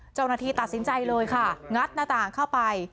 เจ้าหน้าที่ตัดสินใจเลยค่ะงัดหน้าต่างเข้าไป